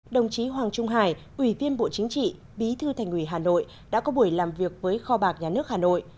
đồng chí hoàng trung hải ủy viên bộ chính trị bí thư thành ủy hà nội đã có buổi làm việc với kho bạc nhà nước hà nội